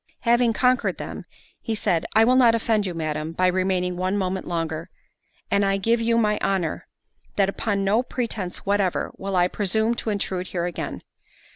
—Having conquered them, he said, "I will not offend you, Madam, by remaining one moment longer; and I give you my honour, that, upon no pretence whatever, will I presume to intrude here again.